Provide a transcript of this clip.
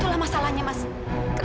orang ini yang mama maksud